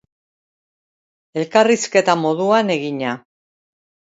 Elkarrizketa moduan egina.